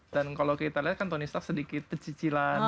dan kalau kita lihat kan tony stark sedikit pecicilan ya